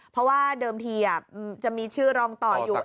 เพราะว่าเดิมทีจะมีชื่อรองต่ออยู่